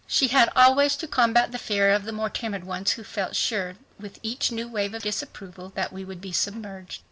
She had always to combat the fear of the more timid ones who felt sure with each new wave of disapproval that we would be submerged.